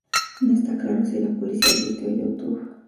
No está claro si la policía advirtió a YouTube.